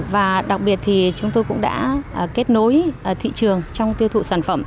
và đặc biệt thì chúng tôi cũng đã kết nối thị trường trong tiêu thụ sản phẩm